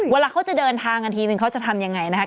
เวลาเขาจะเดินทางกันทีนึงเขาจะทำยังไงนะคะ